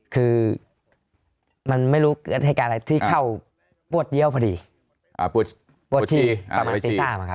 คือมันไม่รู้เกิดเหตุการณ์อะไรที่เข้าปวดเยี้ยวพอดีปวดที่ประมาณตี๓